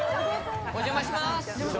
お邪魔します。